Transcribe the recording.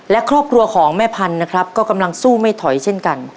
และครอบครัวของแม่พันธุ์นะครับก็กำลังสู้ไม่ถอยเช่นกัน